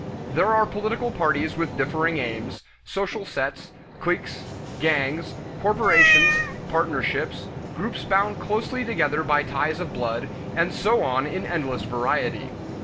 There are political parties with differing aims, social sets, cliques, gangs, corporations, partnerships, groups bound closely together by ties of blood, and so on in endless variety.